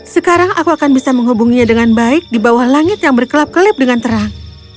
sekarang aku akan bisa menghubunginya dengan baik di bawah langit yang berkelap kelip dengan terang